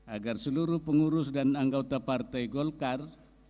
agar seluruh pengurus dan anggota partai golkar